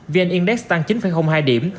vn index tăng chín hai điểm